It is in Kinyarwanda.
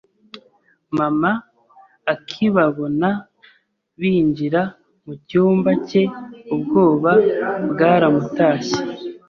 Mama akibabona binjira mucyumba cye ubwoba bwaramutashye